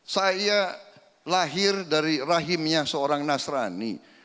saya lahir dari rahimnya seorang nasrani